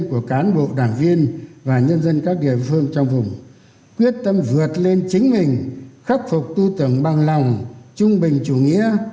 của cán bộ đảng viên và nhân dân các địa phương trong vùng quyết tâm vượt lên chính mình khắc phục tư tưởng bằng lòng trung bình chủ nghĩa